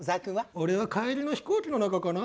俺は帰りの飛行機の中かな？